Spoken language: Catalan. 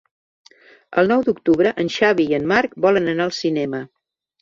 El nou d'octubre en Xavi i en Marc volen anar al cinema.